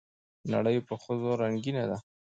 نړۍ په ښځو رنګينه ده